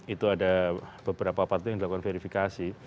itu ada beberapa partai yang dilakukan verifikasi